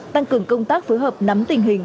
tăng cường công tác phối hợp nắm tình hình